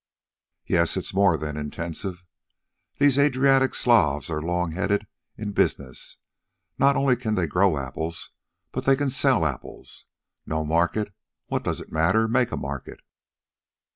"Yes, it's more than intensive. These Adriatic Slavs are long headed in business. Not only can they grow apples, but they can sell apples. No market? What does it matter? Make a market.